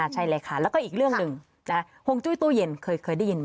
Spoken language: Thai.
ใช่เลยค่ะแล้วก็อีกเรื่องหนึ่งห่วงจุ้ยตู้เย็นเคยได้ยินไหม